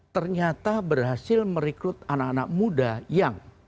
ternyata berhasil merekrut anak anak muda yang